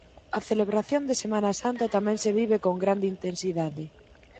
A celebración da Semana Santa tamén se vive con grande intensidade.